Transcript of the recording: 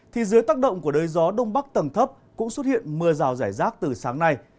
thì dưới tác động của đới gió đông bắc tầng thấp cũng xuất hiện mưa rào rải rác từ sáng nay